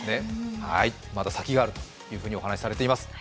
まだ先があるというふうにお話しされています。